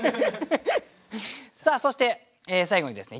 そして最後にですね